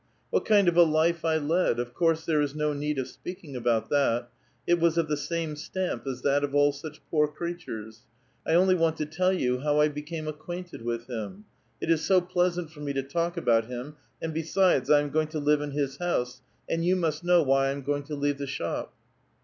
What kind of a life 1 led, of course there is no need of speaking about that, — it was of the same stamp as that of all such poor creatures. I only want to tell you how I became acquainted with him. It is so pleasant ^or me to talk about him ; and besides, I am going to live in liis house, and you must know why I am going to leave the shop."